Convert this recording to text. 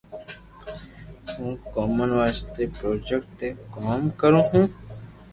ھون ڪومن وائس تو پروجيڪٽ تي ڪوم ڪرو ھون